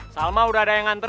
salma udah ada yang nganter